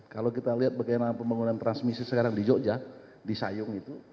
kalau kita lihat bagaimana pembangunan transmisi sekarang di jogja di sayung itu